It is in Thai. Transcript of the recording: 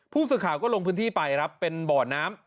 ผู้สื่อข่าวก็ลงพื้นที่ไปครับเป็นบ่อน้ำ